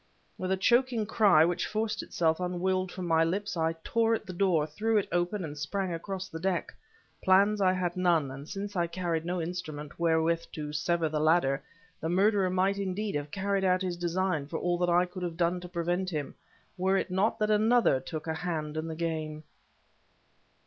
With a choking cry, which forced itself unwilled from my lips, I tore at the door, threw it open, and sprang across the deck. Plans, I had none, and since I carried no instrument wherewith to sever the ladder, the murderer might indeed have carried out his design for all that I could have done to prevent him, were it not that another took a hand in the game....